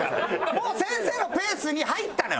もう先生のペースに入ったのよ！